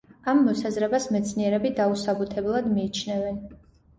ამ მოსაზრებას მეცნიერები დაუსაბუთებლად მიიჩნევენ.